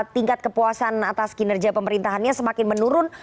tingkat kepuasan atas kinerja pemerintahannya semakin menurun